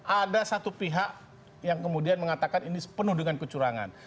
ada satu pihak yang kemudian mengatakan ini penuh dengan kecurangan